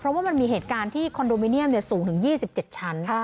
เพราะว่ามันมีเหตุการณ์ที่คอนโดมิเนียมสูงถึง๒๗ชั้น